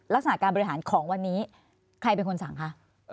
ลักษณะการบริหารของวันนี้ใครเป็นคนสั่งคะ